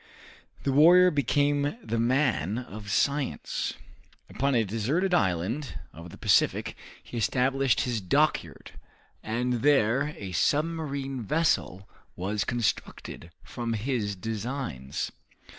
The warrior became the man of science. Upon a deserted island of the Pacific he established his dockyard, and there a submarine vessel was constructed from his designs.